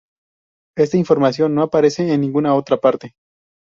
Esta información no aparece en ninguna otra fuente.